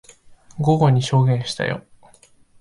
午後に証言したよ。